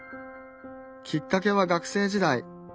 きっかけは学生時代。